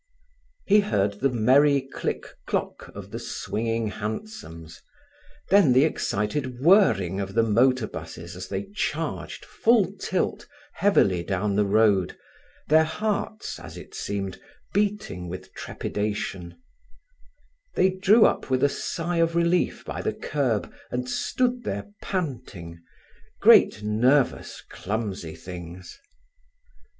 He heard the merry click clock of the swinging hansoms, then the excited whirring of the motor buses as they charged full tilt heavily down the road, their hearts, as it seemed, beating with trepidation; they drew up with a sigh of relief by the kerb, and stood there panting—great, nervous, clumsy things.